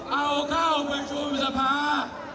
เอาเข้าประชุมสภา